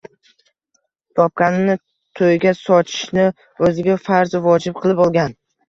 topkanini to‘yga sochishni o‘ziga farzu vojib qilib olgan